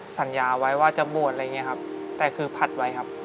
สัญญาไว้ว่าจะบวชอะไรอย่างนี้ครับแต่คือผัดไว้ครับ